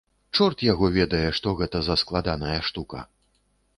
Чорт яго ведае, што гэта за складаная штука.